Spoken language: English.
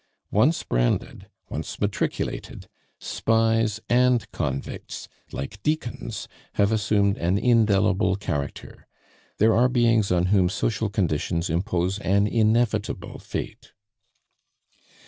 Once branded, once matriculated, spies and convicts, like deacons, have assumed an indelible character. There are beings on whom social conditions impose an inevitable fate.